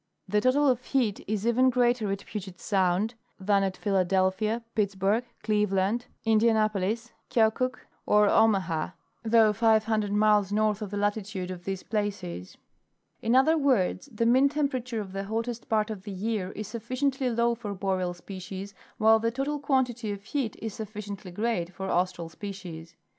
The total of heat is even greater at Puget sound than at Philadelphia, Pittsburg, Cleveland, Indianapolis, Keokuk, or Omaha, though five hundred miles north of the latitude of these places. In other words, the mean temperature of the hottest part of the year is sufficiently low for Boreal species, while the total quantity of heat is sufficiently great for Austral species.